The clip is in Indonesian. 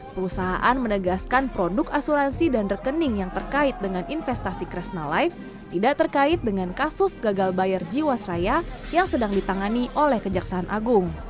perusahaan menegaskan produk asuransi dan rekening yang terkait dengan investasi kresna life tidak terkait dengan kasus gagal bayar jiwasraya yang sedang ditangani oleh kejaksaan agung